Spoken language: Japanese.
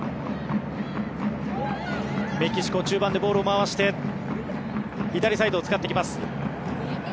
メキシコ中盤でボールを回して左サイドを使ってきます。